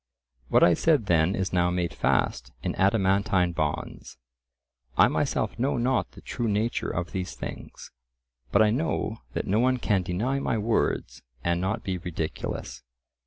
What I said then is now made fast in adamantine bonds. I myself know not the true nature of these things, but I know that no one can deny my words and not be ridiculous.